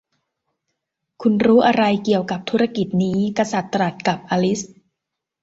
'คุณรู้อะไรเกี่ยวกับธุรกิจนี้' กษัตริย์ตรัสกับอลิซ